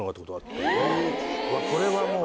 それはもう。